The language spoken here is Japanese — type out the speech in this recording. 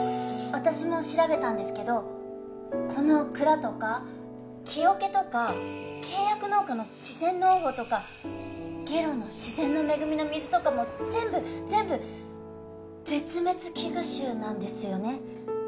私も調べたんですけどこの蔵とか木おけとか契約農家の自然農法とか下呂の自然の恵みの水とかも全部全部絶滅危惧種なんですよね。